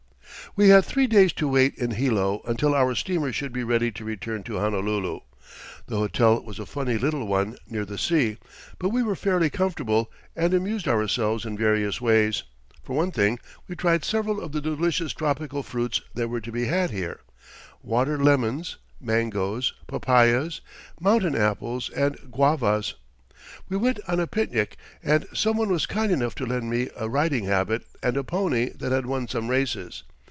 We had three days to wait in Hilo until our steamer should be ready to return to Honolulu. The hotel was a funny little one, near the sea, but we were fairly comfortable, and amused ourselves in various ways. For one thing, we tried several of the delicious tropical fruits that were to be had here water lemons, mangoes, papayas, mountain apples and guavas. We went on a picnic, and some one was kind enough to lend me a riding habit and a pony that had won some races.